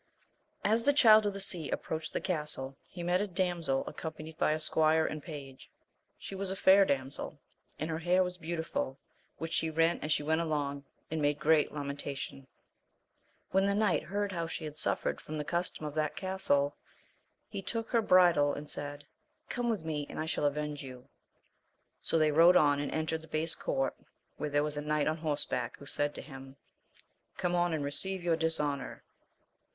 S the Child of the Sea approached the castle he met a damsel accompanied by a squire and page, she was a fair damsel, and her hair was beautiful which she rent as she went along, and made great lamentation. When the knight heard how she had suffered from the custom of that castle, he took her bri dle and said. Come with me and I shall avenge you. So they rode on and entered the base court where was a knight on horseback who said to him, Come on and re ceive your dishonour!